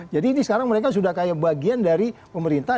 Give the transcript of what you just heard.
jadi ini sekarang mereka sudah kayak bagian dari pemerintah